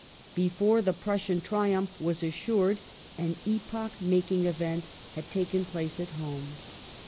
I Before the Prussian triumph was assured, an epoch making event had taken place at home.